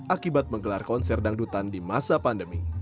akibat menggelar konser dangdutan di masa pandemi